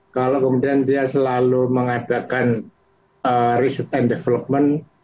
kalau kemudian dia selalu mengadakan riset and development